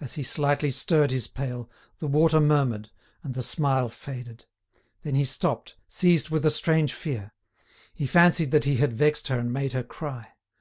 As he slightly stirred his pail, the water murmured, and the smile faded. Then he stopped, seized with a strange fear; he fancied that he had vexed her and made her cry.